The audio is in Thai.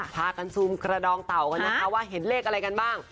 พากันซูมกระดองเต่ากันนะคะว่าเห็นเลขอะไรกันบ้าง